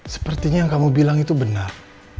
sepertinya yang kamu bilang itu benar